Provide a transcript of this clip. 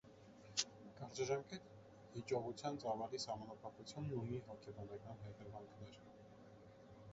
Կարճաժամկետ հիճողության ծավալի սահմանափակությունն ունի հոգեբանական հետևանքներ։